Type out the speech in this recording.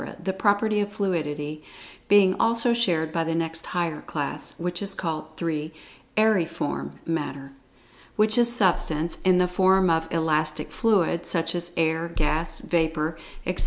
the property of fluidity being also shared by the next higher class, which is called: (3) Aeriform Matter, which is Substance in the form of "elastic fluid," such as air, gas, vapor, etc.